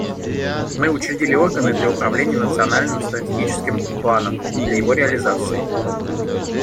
Мы учредили органы для управления национальным стратегическим планом и для его реализации.